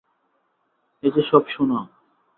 এ যে সব সোনা!